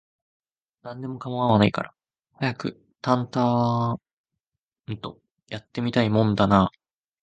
何でも構わないから、早くタンタアーンと、やって見たいもんだなあ